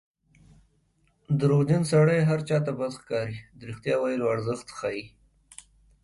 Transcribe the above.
دروغجن سړی هر چا ته بد ښکاري د رښتیا ویلو ارزښت ښيي